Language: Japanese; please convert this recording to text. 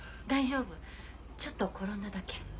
大丈夫ちょっと転んだだけ。